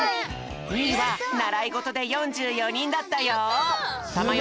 ２いは「ならいごと」で４４にんだったよ。たまよ